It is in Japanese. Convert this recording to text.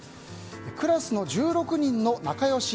クラスの１６人の仲良し